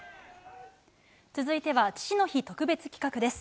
続いては、父の日特別企画です。